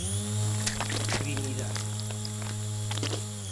A Trinidade.